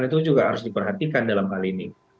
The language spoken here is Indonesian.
itu juga harus diperhatikan dalam hal ini